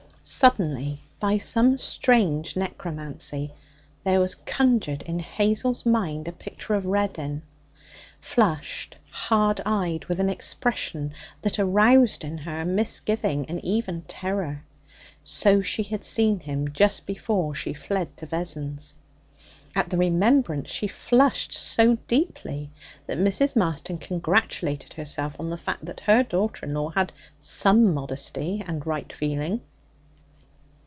Suddenly, by some strange necromancy, there was conjured in Hazel's mind a picture of Reddin flushed, hard eyed, with an expression that aroused in her misgiving and even terror. So she had seen him just before she fled to Vessons. At the remembrance she flushed so deeply that Mrs. Marston congratulated herself on the fact that her daughter in law had some modesty and right feeling.